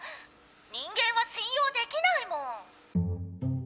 人間はしん用できないもん！」。